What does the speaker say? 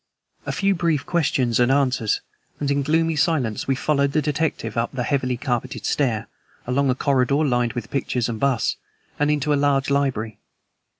A few brief questions and answers, and, in gloomy silence, we followed the detective up the heavily carpeted stair, along a corridor lined with pictures and busts, and into a large library.